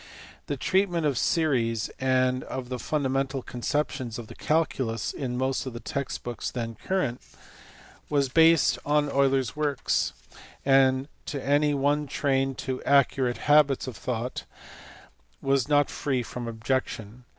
The treatment of series and of the fundamental conceptions of the calculus in most of the text books then current was CAUCHY. 473 based on Euler s works, and to any one trained to accurate habits of thought was not free from objection.